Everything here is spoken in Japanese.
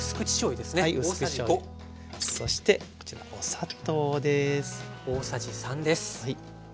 そしてこちらお砂糖です。